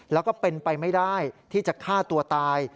แล้วก็เป็นไปไม่ได้ที่จะฆ่าตัวตาย